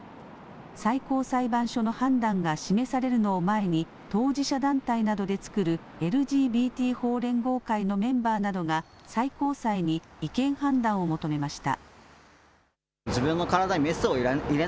最高裁判所の判断が示されるのを前に当事者団体などで作るＬＧＢＴ法連合会のメンバーなどが最高裁に違憲判断を求めました。